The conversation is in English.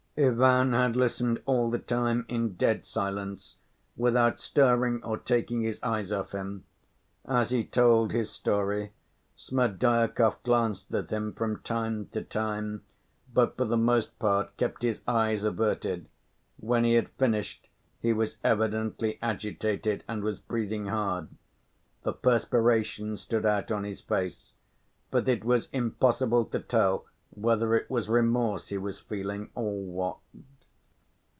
Ivan had listened all the time in dead silence without stirring or taking his eyes off him. As he told his story Smerdyakov glanced at him from time to time, but for the most part kept his eyes averted. When he had finished he was evidently agitated and was breathing hard. The perspiration stood out on his face. But it was impossible to tell whether it was remorse he was feeling, or what.